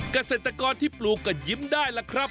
เกษตรกรที่ปลูกก็ยิ้มได้ล่ะครับ